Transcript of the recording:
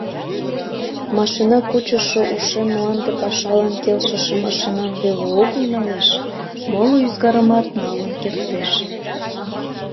Машина кучышо ушем мланде пашалан келшыше машинам веле огыл налеш, моло ӱзгарымат налын кертеш.